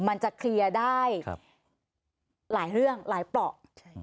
มันจะเคลียร์ได้หลายเรื่องหลายเปราะ